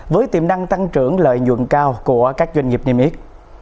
với tiềm năng tăng trưởng lợi nhuận cao của các doanh nghiệp niêm yết